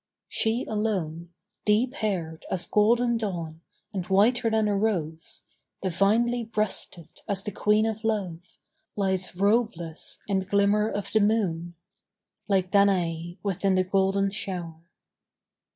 She alone, deep haired As golden dawn, and whiter than a rose, Divinely breasted as the Queen of Love, Lies robeless in the glimmer of the moon, Like Danaë within the golden shower.